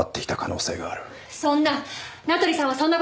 そんな！